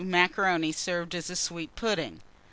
Macaroni served as a sweet pudding.